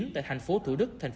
tại thành phố thủ đức tp hcm